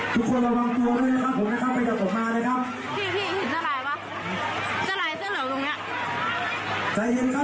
ทุกคนสงบนะครับใจเย็นครับทุกคนครับ